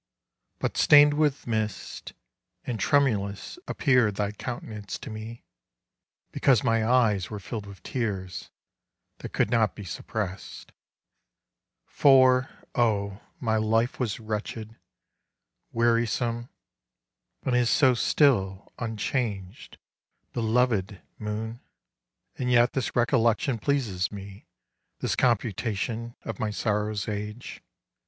But stained with mist, and tremulous, appeared Thy countenance to me, because my eyes Were filled with tears, that could not be suppressed; For, oh, my life was wretched, wearisome, And is so still, unchanged, belovèd moon! And yet this recollection pleases me, This computation of my sorrow's age.